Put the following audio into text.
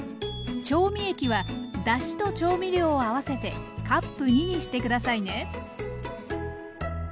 調味液はだしと調味料を合わせてカップに２にして下さいね。